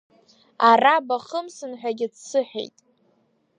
Ара бахымсын ҳәагьы дсыҳәеит.